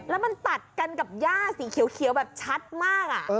แล้วมันตัดกันกับย่าสีเขียวแบบชัดมาก